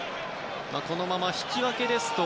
このまま引き分けですと